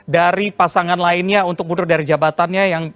dari pasangan lainnya untuk mundur dari jabatannya